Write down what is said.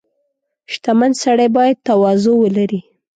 • شتمن سړی باید تواضع ولري.